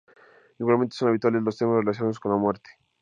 Igualmente son habituales los temas relacionados con la muerte.